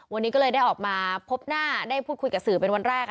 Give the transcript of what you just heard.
วันนี้ก็เลยได้ออกมาพบหน้าได้พูดคุยกับสื่อเป็นวันแรก